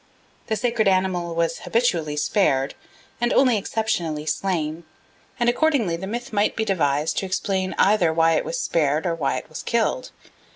The sacred animal was habitually spared, and only exceptionally slain; and accordingly the myth might be devised to explain either why it was spared or why it was killed.